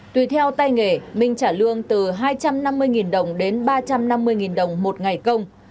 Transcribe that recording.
tùy theo tay nghề minh trả lương từ hai trăm năm mươi đồng đến ba trăm năm mươi đồng một ngày công